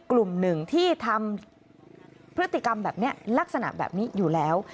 กลุ่มหนึ่งที่ทำพฤติกรรมแบบนี้ลักษณะแบบนี้อยู่แล้ว